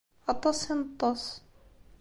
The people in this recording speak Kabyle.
Aṭas i neṭṭeṣ.